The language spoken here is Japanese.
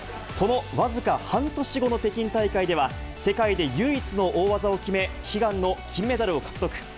その僅か半年後の北京大会では、世界で唯一の大技を決め、悲願の金メダルを獲得。